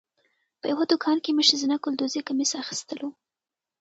په یوه دوکان کې مې ښځینه ګلدوزي کمیس اخیستلو.